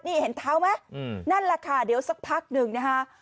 นี่เห็นเท้าไหมนั่นแหละค่ะเดี๋ยวสักพักหนึ่งนะคะ